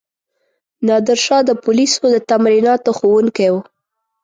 نادرشاه د پولیسو د تمریناتو ښوونکی وو.